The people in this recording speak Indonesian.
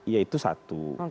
ya itu satu